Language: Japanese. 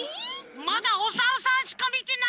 まだおサルさんしかみてないんだけど。